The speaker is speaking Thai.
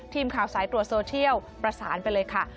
ทีมข่าวสายตรวจโซเชียลประสานไปเลยค่ะ